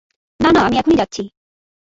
না, না, আমি এখনই যাচ্ছি।